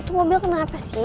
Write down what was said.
itu mobilnya kenapa sih